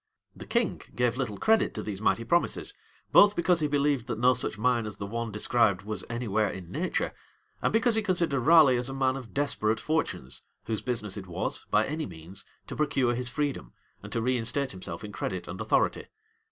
The king gave little credit to these mighty promises; both because he believed that no such mine as the one described was any where in nature, and because he considered Raleigh as a man of desperate fortunes, whose business it was, by any means, to procure his freedom, and to reinstate himself in credit and authority.